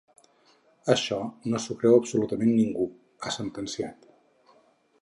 Això no s’ho creu absolutament ningú, ha sentenciat.